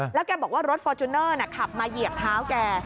แล้วแกบอกว่ารถฟอร์จูเนอร์ขับมาเหยียบเท้าแก